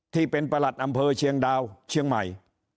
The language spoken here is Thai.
ประหลัดอำเภอเชียงดาวเชียงใหม่